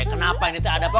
kenapa ini teh ada apa